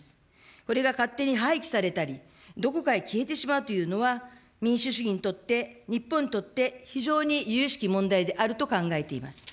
これが勝手に廃棄されたり、どこかへ消えてしまうというのは、民主主義にとって、日本にとって非常に由々しき問題であると考えています。